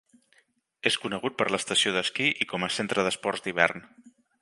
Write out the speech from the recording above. És conegut per l'estació d'esquí i com a centre d'esports d'hivern.